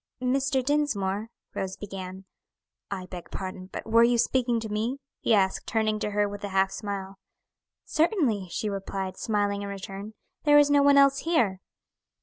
"Mr. Dinsmore," Rose began. "I beg pardon, but were you speaking to me?" he asked, turning to her with a half smile. "Certainly," she replied, smiling in return; "there is no one else here."